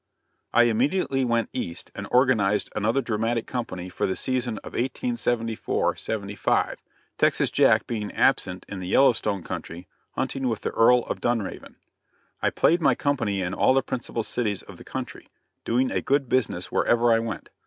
I immediately went East and organized another Dramatic company for the season of 1874 75, Texas Jack being absent in the Yellowstone country hunting with the Earl of Dunraven. I played my company in all the principal cities of the country, doing a good business wherever I went.